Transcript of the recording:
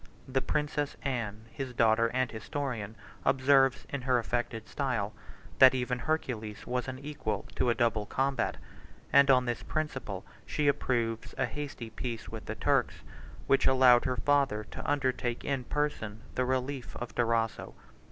The princess Anne, his daughter and historian, observes, in her affected style, that even Hercules was unequal to a double combat; and, on this principle, she approves a hasty peace with the Turks, which allowed her father to undertake in person the relief of Durazzo.